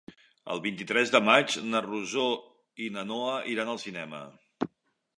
El vint-i-tres de maig na Rosó i na Noa iran al cinema.